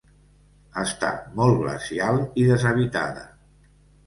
Està molt glacial i deshabitada.